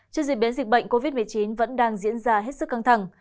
trên diễn biến dịch bệnh covid một mươi chín vẫn đang diễn ra hết sức căng thẳng